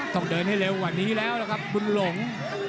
ต้องเดินให้เร็วกว่านี้แล้วล่ะครับบุญหลง